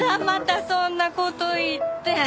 またそんな事言って。